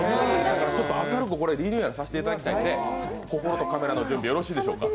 ちょっと明るくリニューアルさせていただきたいので、心とカメラの準備よろしいでしょうか。